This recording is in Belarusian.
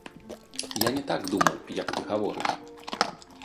Я не так думаў, як ты гаворыш.